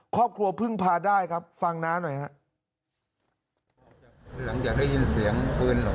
ครอบครัวพึ่งพาได้ครับฟังน้าหน่อยฮะ